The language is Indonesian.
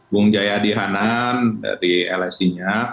bung jayadi hanan dari lsi nya